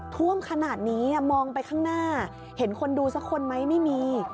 ท่วมขนาดนี้มองไปข้างหน้าเห็นคนดูสักคนไหมไม่มี